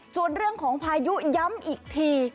ส่วนเรื่องของพายุย้ำอีกที